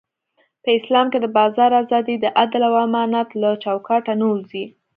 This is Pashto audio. په اسلام کې د بازار ازادي د عدل او امانت له چوکاټه نه وځي.